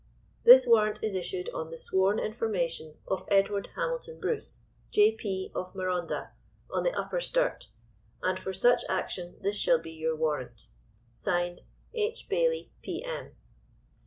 This warrant is issued on the sworn information of Edward Hamilton Bruce, J.P. of Marondah, on the Upper Sturt, and for such action this shall be your warrant. "(Signed) H. BAYLEY, P.M."